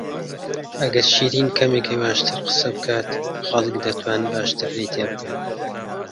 ئەگەر شیرین کەمێک هێواشتر قسە بکات، خەڵک دەتوانن باشتر لێی تێبگەن.